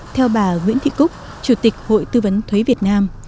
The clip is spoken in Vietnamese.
theo bà nguyễn thị cúc chủ tịch hội tư vấn thuế việt nam